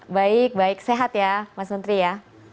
baik baik sehat ya mas menteri ya